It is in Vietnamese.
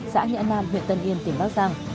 xã nhã nam huyện tân yên tỉnh bắc giang